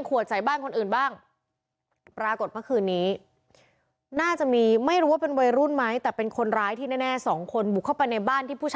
กระทืบจะตายเลยฮะ